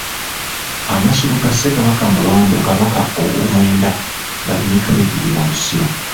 Amasiro ga Ssekabaka Mulondo kabaka owomwenda gali Mitwebiri mu Busiro.